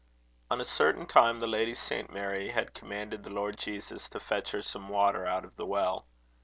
On a certain time the Lady St. Mary had commanded the Lord Jesus to fetch her some water out of the well.